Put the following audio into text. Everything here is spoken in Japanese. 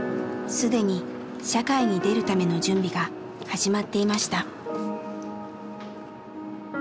既に社会に出るための準備が始まっていました。